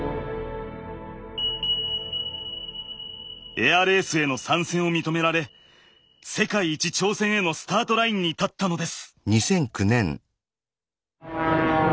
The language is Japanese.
エアレースへの参戦を認められ世界一挑戦へのスタートラインに立ったのです。